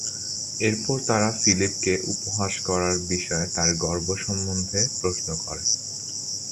এরপর তারা ফিলিপকে উপহাস করার বিষয়ে তার গর্ব সম্বন্ধে প্রশ্ন করে।